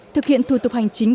thực hiện thủ tục hành chính